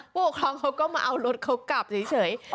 ผู้ปกครองเขาก็มาเอารถเขากลับเฉย